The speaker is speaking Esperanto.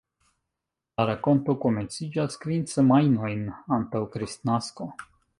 La rakonto komenciĝas kvin semajnojn antaŭ Kristnasko.